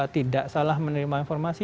tidak salah menerima informasi